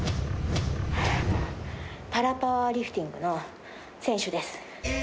パラ・パワーリフティングの選手です。